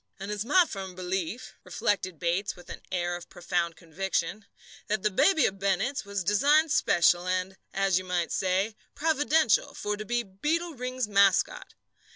"And it's my firm belief," reflected Bates with an air of profound conviction, "that that baby of Bennett's was designed special and, as you might say, providential, for to be Beetle Ring's mascot.